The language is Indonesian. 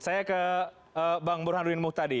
saya ke bang burhan ruin muhtadi